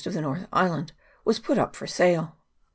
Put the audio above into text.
11 of the northern island, was put up for sale.